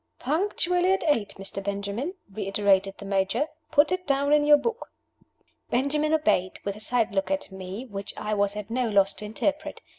"Punctually at eight, Mr. Benjamin," reiterated the Major. "Put it down in your book." Benjamin obeyed with a side look at me, which I was at no loss to interpret.